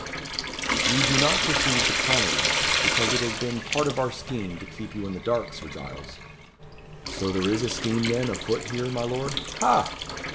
"You do not perceive the comedy, because it has been part of our scheme to keep you in the dark, Sir Giles." "So there is a scheme, then, a foot here, my lord? ha!"